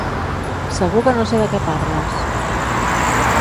Segur que no sé de què parles!